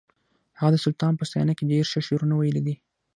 هغه د سلطان په ستاینه کې ډېر ښه شعرونه ویلي دي